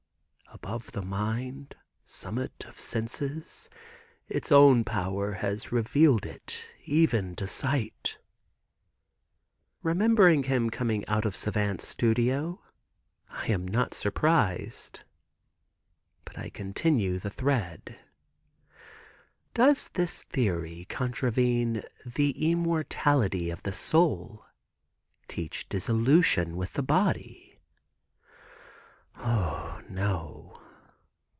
"Above the mind, summit of senses, its own power only has revealed it even to sight." Remembering him coming out of Savant's studio, I am not surprised. But I continue the thread. Does this theory contravene the immortality of the soul, teach dissolution with the body? O, no.